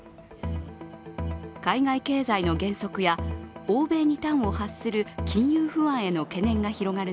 海外経済の減速や欧米に端を発する金融不安への懸念が広がる